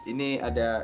ini ada kenangan